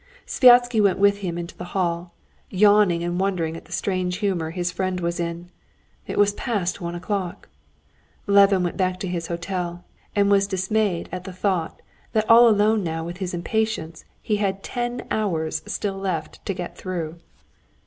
Sviazhsky went with him into the hall, yawning and wondering at the strange humor his friend was in. It was past one o'clock. Levin went back to his hotel, and was dismayed at the thought that all alone now with his impatience he had ten hours still left to get through.